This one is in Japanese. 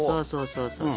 そうそう。